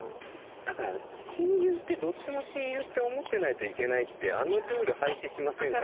だから親友ってどっちも親友って思ってないといけないっていうあのルール廃止しませんか？